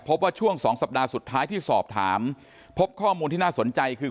พบว่าช่วง๒สัปดาห์สุดท้ายที่สอบถามพบข้อมูลที่น่าสนใจคือ